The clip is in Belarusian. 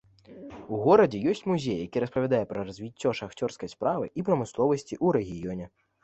У горадзе ёсць музей, які распавядае пра развіццё шахцёрскай справы і прамысловасці ў рэгіёне.